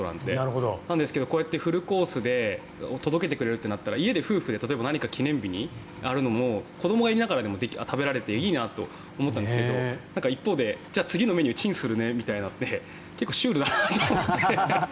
なんですけどこうやってフルコースで届けてくれるってなったら家で夫婦で例えば何か記念日をやるのも子どもがいても食べられていいなと思ったんですけど一方で次のメニューチンするねみたいなのって結構シュールだなと思って。